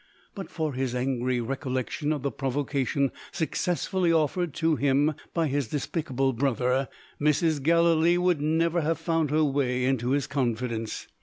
But for his angry recollection of the provocation successfully offered to him by his despicable brother, Mrs. Gallilee would never have found her way into his confidence.